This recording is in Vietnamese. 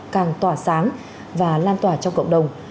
càng tỏa sáng và lan tỏa cho cộng đồng